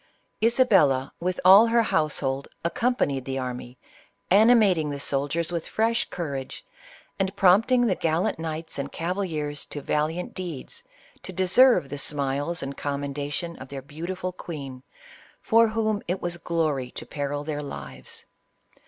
Isabella, with all her household, accompanied the army, ani mating the soldiers with fresh courage, and prompting the gallant knights and cavaliers to valiant deeds, to deserve the smiles and commendation of their beautiful queen, for whom it was glory to peril their lives.